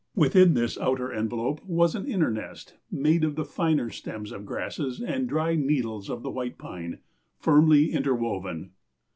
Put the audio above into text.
Within this outer envelope was an inner nest, made of the finer stems of grasses and dry needles of the white pine, firmly interwoven."